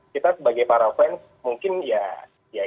kita sebagai para fans mungkin ya